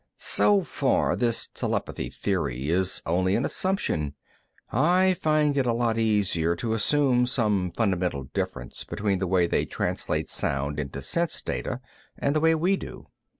"So far, this telepathy theory is only an assumption. I find it a lot easier to assume some fundamental difference between the way they translate sound into sense data and the way we do.